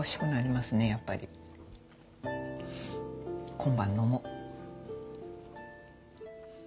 今晩飲もう。